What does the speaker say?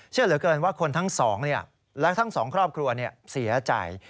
เชื่อเหลือเกินว่าคนทั้งสองและทั้งสองครอบครัวเสียใจ